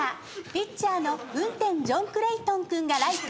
ピッチャーの運天ジョンクレイトン君がライト。